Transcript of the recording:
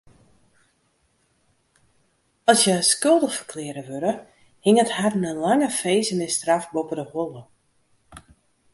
As hja skuldich ferklearre wurde, hinget harren in lange finzenisstraf boppe de holle.